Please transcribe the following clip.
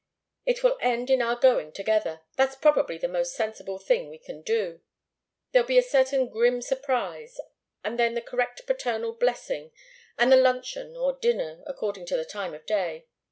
It will end in our going together. That's probably the most sensible thing we can do. There'll be a certain grim surprise, and then the correct paternal blessing, and the luncheon or dinner, according to the time of day."